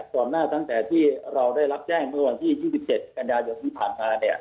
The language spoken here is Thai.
ตอนหน้าทั้งแต่ที่เราได้รับแจ้งเมื่อวันที่๒๑กันยาวุธิภาพนี้